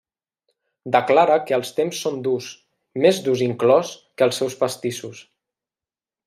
Declara que els temps són durs, més durs inclòs que els seus pastissos.